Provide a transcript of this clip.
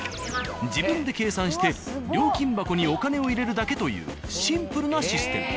自分で計算して料金箱にお金を入れるだけというシンプルなシステム。